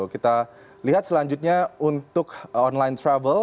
kita lihat selanjutnya untuk online travel